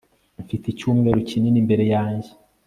mfite icyumweru kinini imbere yanjye